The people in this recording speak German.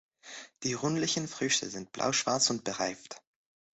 Die rundlichen Früchte sind blauschwarz und bereift.